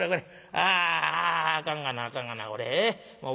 ああかんがなあかんがな